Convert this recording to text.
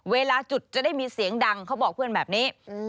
เวลาจุดจะได้มีเสียงดังเขาบอกเพื่อนแบบนี้